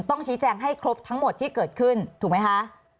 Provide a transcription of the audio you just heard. ต้องชี้แจงให้ครบทั้งหมดที่เกิดขึ้นถูกไหมคะ